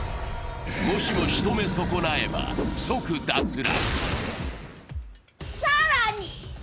もしもしとめ損なえば、即脱落。